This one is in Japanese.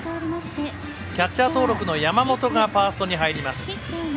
キャッチャー登録の山本がファーストに入ります。